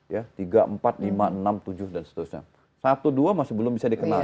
ya tiga empat lima enam tujuh dan seterusnya satu dua masih belum bisa dikenal